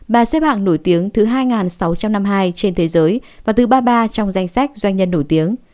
bà xếp hạng nổi tiếng thứ hai sáu trăm năm mươi hai trên thế giới và thứ ba mươi ba trong danh sách doanh nhân nổi tiếng